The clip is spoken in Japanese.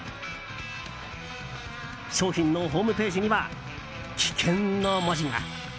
商品のホームページには「危険」の文字が。